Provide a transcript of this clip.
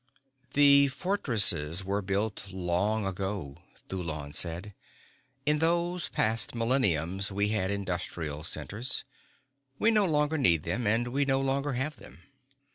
"The fortresses were built long ago," Thulon said. "In those past milleniums we had industrial centers. We no longer need them and we no longer have them."